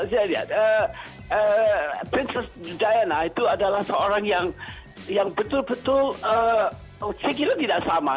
princess diana itu adalah seorang yang betul betul segilir tidak sama